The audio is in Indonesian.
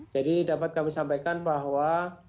jadi dapat kami sampaikan bahwa